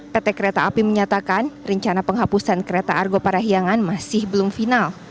pt kereta api menyatakan rencana penghapusan kereta argo parahiangan masih belum final